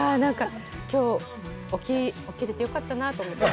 きょう起きれてよかったなと思って。